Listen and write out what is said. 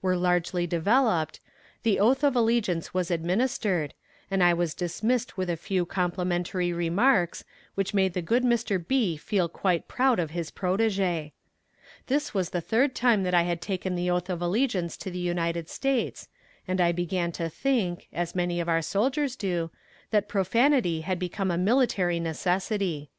were largely developed, the oath of allegiance was administered, and I was dismissed with a few complimentary remarks which made the good Mr. B. feel quite proud of his protege. This was the third time that I had taken the oath of allegiance to the United States, and I began to think, as many of our soldiers do, that profanity had become a military necessity.